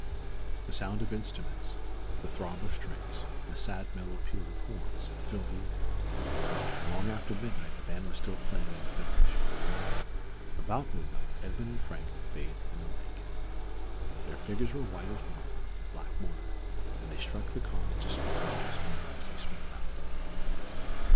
The sound of instruments, the throb of strings, the sad, mellow peal of horns, filled the air; and long after midnight a band was still playing in the village. About midnight Edmund and Frank bathed in the lake. Their figures were white as marble in the black water, and they struck the calm into sparkles of splendor as they swam out....